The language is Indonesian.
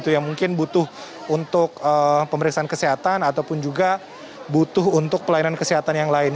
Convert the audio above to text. yang mungkin butuh untuk pemeriksaan kesehatan ataupun juga butuh untuk pelayanan kesehatan yang lain